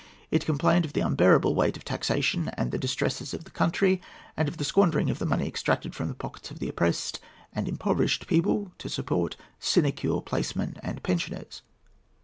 It complained of the unbearable weight of taxation and the distresses of the country, and of the squandering of the money extracted from the pockets of an oppressed and impoverished people to support sinecure placemen and pensioners.